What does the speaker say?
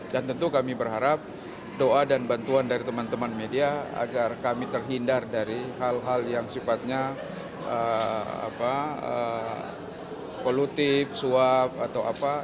dan tentu kami berharap doa dan bantuan dari teman teman media agar kami terhindar dari hal hal yang sifatnya polutip suap atau apa